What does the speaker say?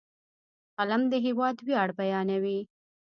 قلم د هېواد ویاړ بیانوي